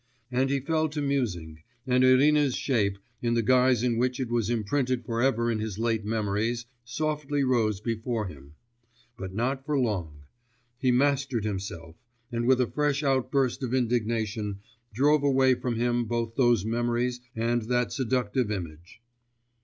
And he fell to musing, and Irina's shape, in the guise in which it was imprinted for ever in his late memories, softly rose before him.... But not for long.... He mastered himself, and with a fresh outburst of indignation drove away from him both those memories and that seductive image.